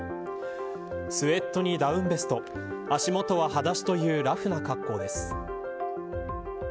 スウェットにダウンベスト足元は、はだしというラフな格好です。